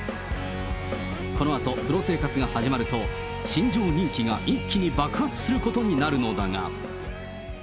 このあと、プロ生活が始まると、新庄人気が一気に爆発することになるのだが。